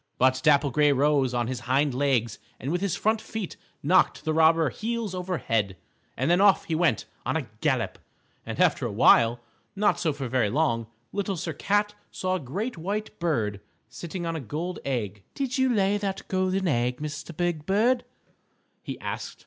But Dapple Gray rose on his hind legs and with his front feet knocked the robber heels over head, and then off he went on a gallop. And after a while, not so very long, Little Sir Cat saw a great white bird sitting on a gold egg. "Did you lay that golden egg, Mr. Big Bird?" he asked.